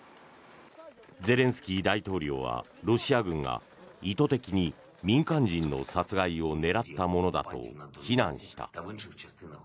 ゼレンスキー大統領はロシア軍が意図的に民間人の殺害を狙ったものだと非難した。